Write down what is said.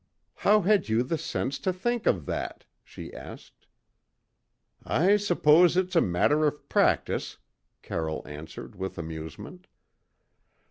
"How had you the sense to think of that?" she asked. "I suppose it's a matter of practice," Carroll answered with amusement.